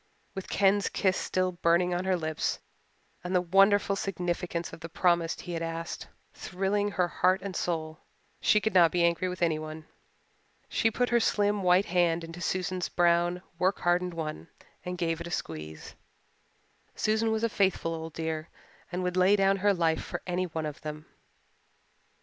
With Ken's kiss still burning on her lips, and the wonderful significance of the promise he had asked thrilling heart and soul, she could not be angry with anyone. She put her slim white hand into Susan's brown, work hardened one and gave it a squeeze. Susan was a faithful old dear and would lay down her life for any one of them.